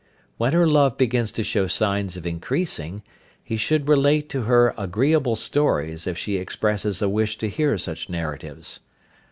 When her love begins to show signs of increasing he should relate to her agreeable stories if she expresses a wish to hear such narratives.